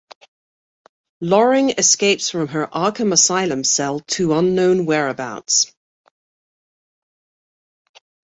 Loring escapes from her Arkham Asylum cell to unknown whereabouts.